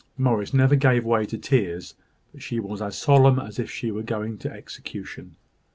Morris never gave way to tears; but she was as solemn as if she were going to execution.